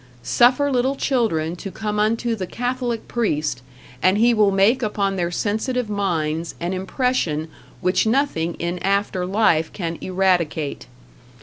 Suffer little children to come unto the Catholic priest, and he will make upon their sensitive minds an impression which nothing in after life can eradicate.